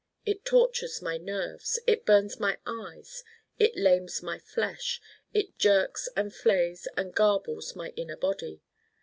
It tortures my nerves: it burns my eyes: it lames my flesh: it jerks and flays and garbles my inner body.